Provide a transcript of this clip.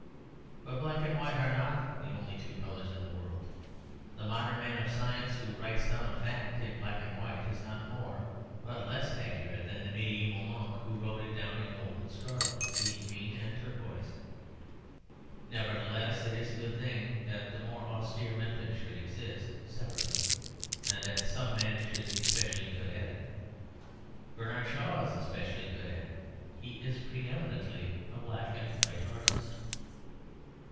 But black and white are not the only two colours in the world. The modern man of science who writes down a fact in black and white is not more but less accurate than the mediæval monk who wrote it down in gold and scarlet, sea green and turquoise. Nevertheless, it is a good thing that the more austere method should exist separately, and that some men should be specially good at it. Bernard Shaw is specially good at it; he is pre eminently a black and white artist.